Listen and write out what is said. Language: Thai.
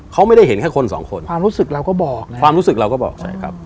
เขาไม่ได้เห็นแค่คนสองคนความรู้สึกเราก็บอก